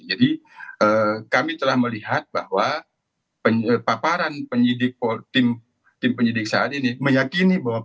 jadi kami telah melihat bahwa paparan tim penyidik saat ini meyakini bahwa pegi